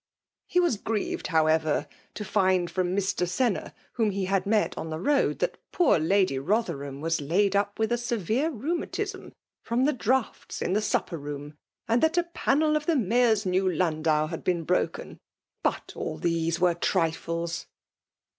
" He was grievedj however, to find from Mr. Senna^ whom he had met on the road, that poor Lady Rotherham was laid up with a severe rheumatism, from the draughts in the supper room ; and that a panel of the Mayor's new landau had been broken. But all these were trifles."